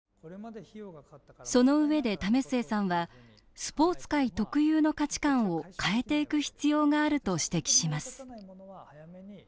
そのうえで為末さんはスポーツ界特有の価値観を変えていく必要があると指摘します